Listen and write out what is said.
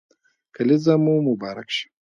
کلېزه مو مبارک شه